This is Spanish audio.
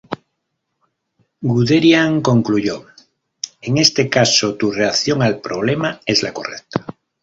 Guderian concluyó: "En ese caso, tu reacción al problema es la correcta.